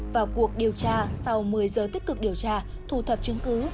vào cuộc điều tra sau một mươi giờ tích cực điều tra thu thập chứng cứ